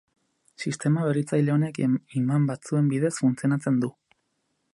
Sistema berritzaile honek iman batzuen bidez funtzionatzen du.